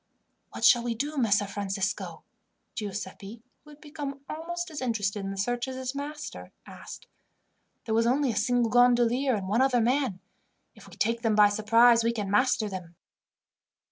"What shall we do, Messer Francisco?" Giuseppi, who had become almost as interested in the search as his master, asked. "There was only a single gondolier and one other man. If we take them by surprise we can master them."